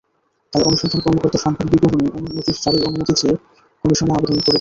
তাই অনুসন্ধান কর্মকর্তা সম্পদ বিবরণী নোটিশ জারির অনুমতি চেয়ে কমিশনে আবেদন করেছেন।